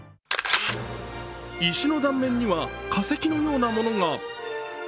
石の断面には化石のようなものが。